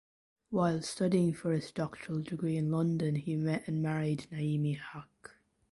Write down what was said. While studying for his doctoral degree in London he met and married Naimi Haque.